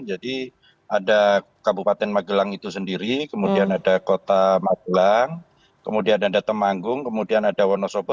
jadi ada kabupaten magelang itu sendiri kemudian ada kota magelang kemudian ada temanggung kemudian ada wonosobo